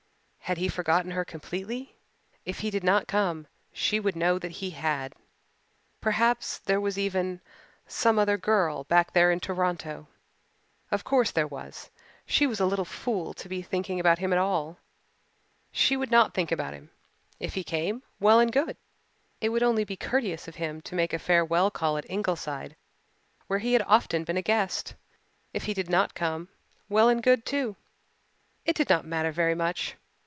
Had he forgotten her completely? If he did not come she would know that he had. Perhaps there was even some other girl back there in Toronto. Of course there was. She was a little fool to be thinking about him at all. She would not think about him. If he came, well and good. It would only be courteous of him to make a farewell call at Ingleside where he had often been a guest. If he did not come well and good, too. It did not matter very much.